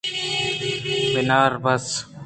بناربس؟